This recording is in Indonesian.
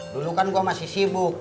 dulu kan gue masih sibuk